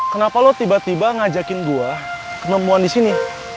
kenapa lo tiba tiba ngajakin gue ke nemuan disini